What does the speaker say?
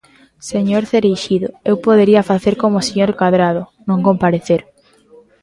Señor Cereixido, eu podería facer como o señor Cadrado, non comparecer.